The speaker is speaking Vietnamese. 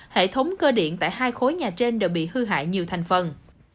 hệ thống cơ điện tại hai khối nhà trên đều bị hư hại nhiều thành phần